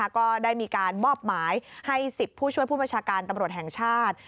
ก็ได้มีการมอบหมายให้๑๐ผู้ช่วยผู้บัญชาการตำรวจแห่งชาติ